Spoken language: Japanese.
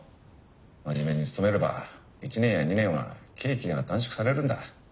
真面目につとめれば１年や２年は刑期が短縮されるんだ。